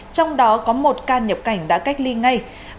trong đó có một ca nhập cảnh đã cách ly ngay